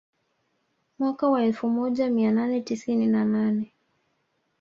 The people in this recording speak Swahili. Mwaka wa elfu moja mia nane tisini na nane